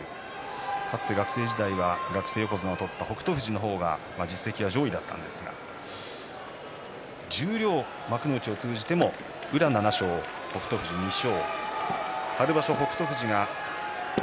かつて学生時代は北勝富士の方が成績が上位だったんですが十両、幕内を通じて宇良７勝、北勝富士２勝。